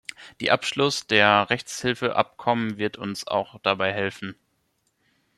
Die Abschluss der Rechtshilfeabkommen wird uns auch dabei helfen.